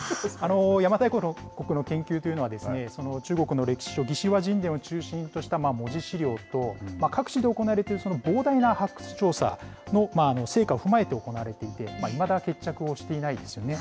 邪馬台国の研究というのは、中国の歴史書、魏志倭人伝を中心とした文字資料と、各地で行われている膨大な発掘調査の成果を踏まえて行われていて、いまだ決着をしていないですよね。